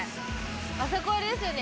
あそこですよね